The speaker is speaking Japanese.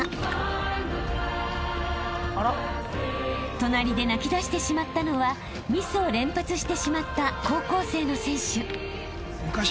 ［隣で泣きだしてしまったのはミスを連発してしまった高校生の選手］